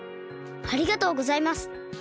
ありがとうございます。